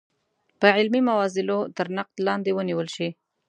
په علمي موازینو تر نقد لاندې ونیول شي.